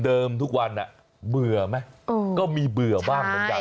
ทุกวันเบื่อไหมก็มีเบื่อบ้างเหมือนกัน